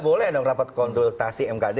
boleh dong rapat konsultasi mkd